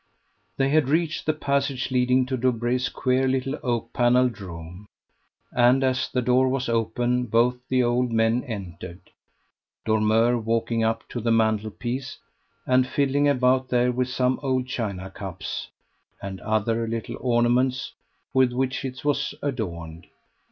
They had reached the passage leading to Dobree's queer little oak panelled room, and as the door was open, both the old men entered; Dormeur walking up to the mantel piece, and fiddling about there with some old china cups, and other little ornaments with which it was adorned.